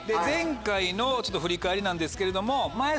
前回のちょっと振り返りなんですけれども。